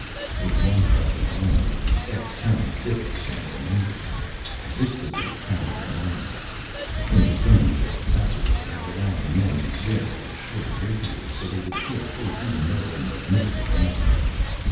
In one custom alone did the ex Terrans differ from their neighbors. This was in carrying arms. In the beginning, the Ssassaror had allowed the Men to wear their short rapiers, so they would feel safe even though in the midst of aliens.